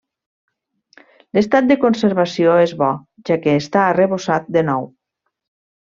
L'estat de conservació és bo, ja que està arrebossat de nou.